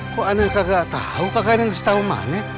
kok anak kakak nggak tau kakak ini yang setahun manet